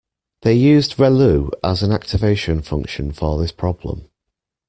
They used relu as an activation function for this problem.